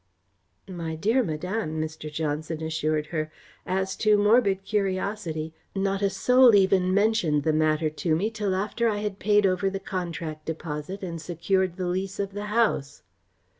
"My dear madame," Mr. Johnson assured her, "as to morbid curiosity, not a soul even mentioned the matter to me till after I had paid over the contract deposit and secured the lease of the house."